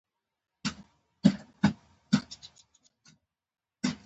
شیدې سپینې دي.